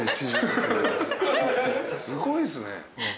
すごいっすね。